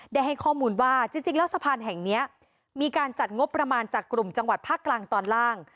ได้ให้ข้อมูลว่าจริงแล้วสะพานแห่งนี้มีการจัดงบประมาณจากกลุ่มจังหวัดภาคกลางตอนล่าง